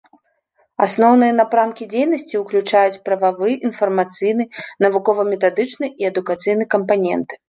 Асноўныя напрамкі дзейнасці ўключаюць прававы, інфармацыйны, навукова-метадычны і адукацыйны кампаненты.